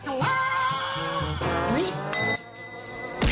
โอ้ว